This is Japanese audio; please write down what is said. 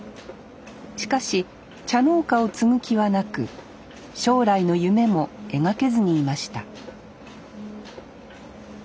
しかし茶農家を継ぐ気はなく将来の夢も描けずにいました